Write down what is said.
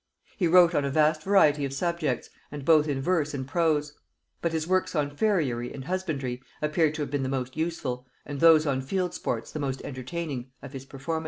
He wrote on a vast variety of subjects, and both in verse and prose; but his works on farriery and husbandry appear to have been the most useful, and those on field sports the most entertaining, of his performances.